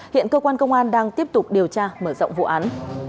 hiện cơ quan công an đang tiếp tục điều tra mở rộng vụ án